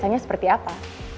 biasanya seperti apa